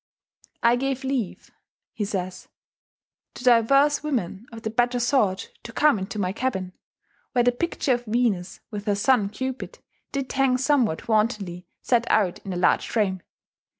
"I gaue leaue," he says, "to divers women of the better sort to come into my Cabbin, where the picture of Venus, with her sonne Cupid, did hang somewhat wantonly set out in a large frame.